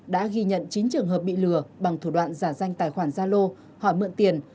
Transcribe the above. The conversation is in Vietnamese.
đã ghi nhận chín trường hợp bị lừa bằng thủ đoạn giả danh tài khoản zalo hỏi mượn tiền